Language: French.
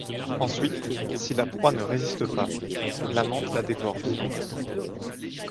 Ensuite, si la proie ne résiste pas, la mante la dévore vivante.